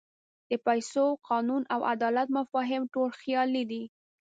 د پیسو، قانون او عدالت مفاهیم ټول خیالي دي.